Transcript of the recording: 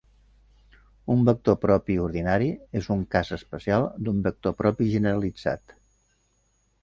Un vector propi ordinari és un cas especial d'un vector propi generalitzat.